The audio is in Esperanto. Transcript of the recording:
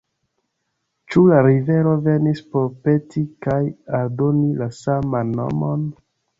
Ĉu la rivero venis por peti kaj aldoni la saman nomon?